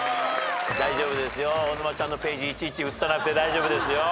大沼ちゃんのページいちいち映さなくて大丈夫ですよ。